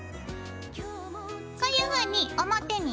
こういうふうに表に２枚。